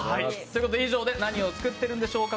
以上で「何を作ってるんでしょうか？